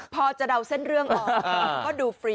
พอจะเดาเส้นเรื่องออกก็ดูฟรี